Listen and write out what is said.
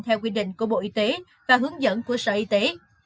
theo quy định của bộ y tế và hướng dẫn của sở y tế